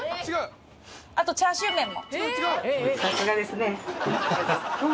あとチャーシューメンも。